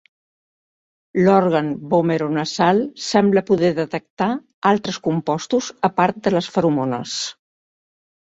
L'òrgan vomeronasal sembla poder detectar altres compostos a part de les feromones.